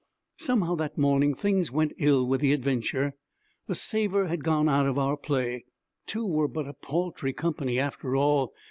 Somehow that morning things went ill with the adventure. The savor had gone out of our play. Two were but a paltry company after all.